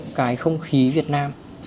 với các loại không khí việt nam